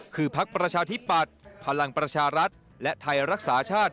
คือพักประชาธิปัตย์พลังประชารัฐและไทยรักษาชาติ